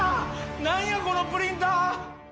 何やこのプリンター！